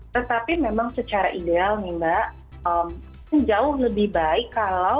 tetapi memang secara ideal nih mbak jauh lebih baik kalau